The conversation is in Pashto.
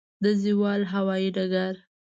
د زاول هوايي ډګر